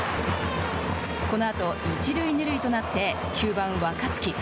このあと一塁二塁となって９番、若月。